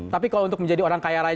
tapi kalau untuk menjadi orang kaya raya